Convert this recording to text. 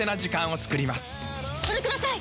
それください！